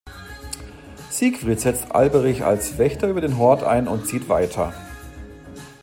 Siegfried setzt Alberich als Wächter über den Hort ein und zieht weiter.